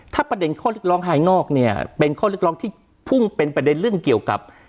ถ้าประเด็นข้อเรียกร้องภายนอกเนี่ยเป็นข้อเรียกร้องที่พุ่งเป็นประเด็นเรื่องเกี่ยวกับ